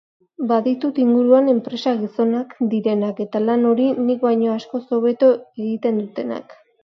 Baditut inguruan enpresa-gizonak direnak eta lan hori nik baino askoz hobeto egiten dutenak.